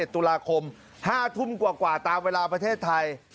ตุลาคม๕ทุ่มกว่าตามเวลาประเทศไทย